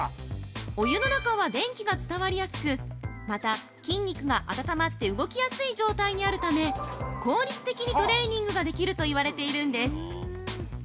◆お湯の中は電気が伝わりやすくまた、筋肉が温まって動きやすい状態にあるため効率的にトレーニングができるといわれているんです。